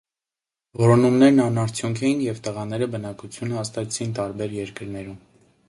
Որոնումներն անարդյունք էին, և տղաները բնակություն հաստատեցին տարբեր երկրներում։